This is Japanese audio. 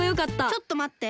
ちょっとまって。